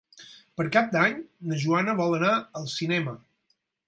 Per Cap d'Any na Joana vol anar al cinema.